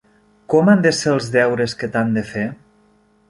Com han de ser els deures que t'han de fer?